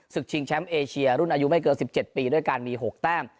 ชิงแชมป์เอเชียรุ่นอายุไม่เกิน๑๗ปีด้วยการมี๖แต้ม